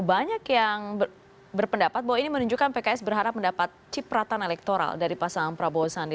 banyak yang berpendapat bahwa ini menunjukkan pks berharap mendapat cipratan elektoral dari pasangan prabowo sandi